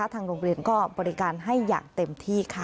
ทางโรงเรียนก็บริการให้อย่างเต็มที่ค่ะ